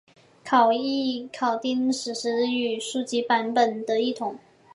考异考订史实或书籍版本的异同。